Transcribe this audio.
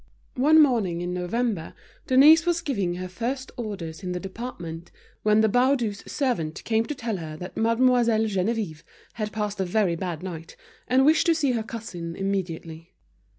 One morning in November, Denise was giving her first orders in the department when the Baudus' servant came to tell her that Mademoiselle Geneviève had passed a very bad night, and wished to see her cousin immediately.